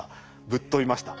ぶっ飛びました。